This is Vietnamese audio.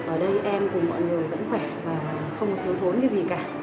ở đây em cùng mọi người vẫn khỏe và không có thiếu thốn cái gì cả